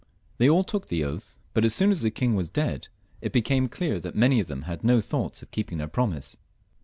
They all took the oath« but as soon as the king was dead, it became clear that many of them had ho thoughts of keeping their promise.